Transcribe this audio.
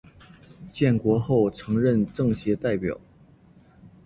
建国后曾任政协代表。